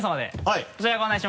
はい。